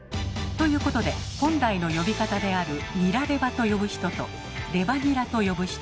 ということで本来の呼び方である「ニラレバ」と呼ぶ人と「レバニラ」と呼ぶ人